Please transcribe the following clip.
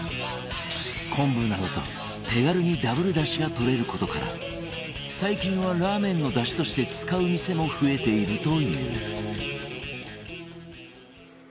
昆布などと手軽に Ｗ 出汁が取れる事から最近はラーメンの出汁として使う店も増えているという